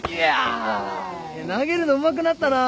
投げるのうまくなったな。